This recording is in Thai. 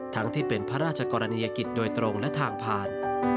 ที่เป็นพระราชกรณียกิจโดยตรงและทางผ่าน